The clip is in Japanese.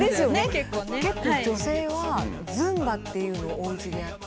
結構女性はズンバっていうのをおうちでやって。